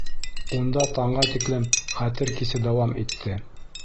Унда таңға тиклем «хәтер кисе» дауам итте.